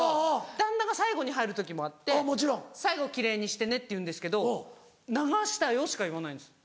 旦那が最後に入る時もあって「最後奇麗にしてね」って言うんですけど「流したよ」しか言わないんです。